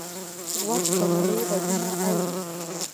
غوږ د نړۍ غږونه اوري.